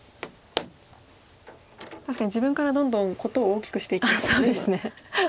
確かに自分からどんどん事を大きくしていってますよね今。